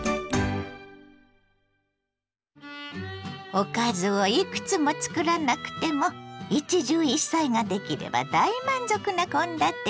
おかずをいくつもつくらなくても一汁一菜ができれば大満足な献立に。